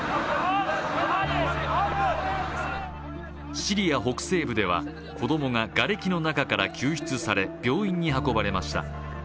シリア北西部では子どもががれきの中から救出され病院に運ばれました。